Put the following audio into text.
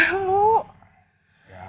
cuman kalau dilihat orang aku